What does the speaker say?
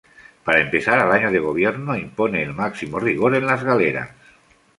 Para empezar, al año de gobierno, impone el máximo rigor en las galeras.